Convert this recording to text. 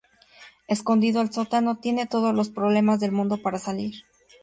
Escondido al sótano, tiene todos los problemas del mundo para salir.